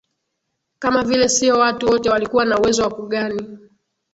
Kwa vile sio watu wote walikuwa na uwezo wa kughani